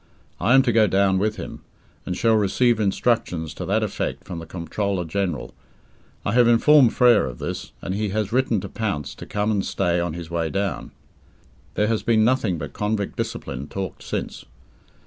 I am to go down with him, and shall receive instructions to that effect from the Comptroller General. I have informed Frere of this, and he has written to Pounce to come and stay on his way down. There has been nothing but convict discipline talked since.